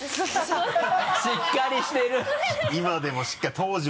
今もしっかりしてるな。